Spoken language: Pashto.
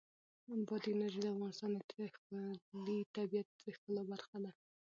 بادي انرژي د افغانستان د ښکلي طبیعت د ښکلا برخه ده.